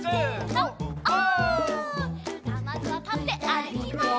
さあまずはたってあるきます！